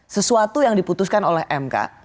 sesuatu yang diputuskan oleh mk